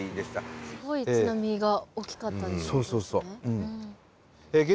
すごい津波が大きかったってことですね。